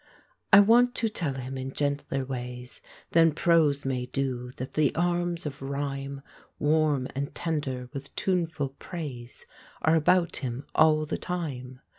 I want to tell him in gentler ways Than prose may do, that the arms of rhyme, Warm and tender with tuneful praise, Are about him all the time.